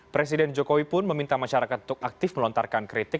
presiden jokowi pun meminta masyarakat untuk aktif melontarkan kritik